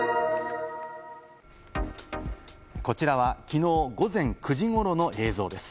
こちらはきのう午前９時ごろの映像です。